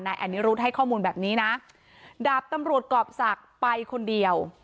นายอนิรุธให้ข้อมูลแบบนี้นะดาบตำรวจกรอบศักดิ์ไปคนเดียว